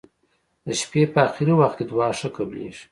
د شپي په اخرې وخت کې دعا ښه قبلیږی.